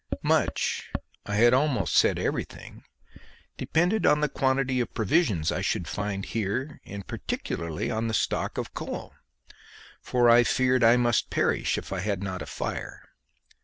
Much, I had almost said everything, depended on the quantity of provisions I should find in here and particularly on the stock of coal, for I feared I must perish if I had not a fire.